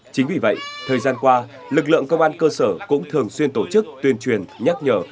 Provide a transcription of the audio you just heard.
chính vì vậy thời gian qua lực lượng công an cơ sở cũng thường xuyên tổ chức tuyên truyền nhắc nhở